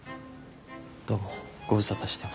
どうもご無沙汰してます。